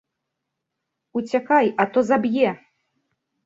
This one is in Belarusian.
Уцякай, а то заб'е!